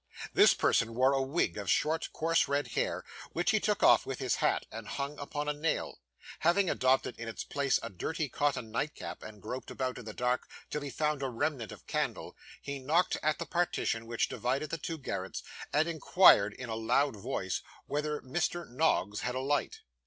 This person wore a wig of short, coarse, red hair, which he took off with his hat, and hung upon a nail. Having adopted in its place a dirty cotton nightcap, and groped about in the dark till he found a remnant of candle, he knocked at the partition which divided the two garrets, and inquired, in a loud voice, whether Mr. Noggs had a light.